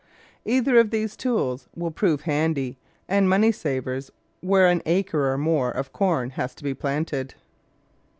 Either of these tools will prove handy and money savers where an acre or more of corn has to be planted.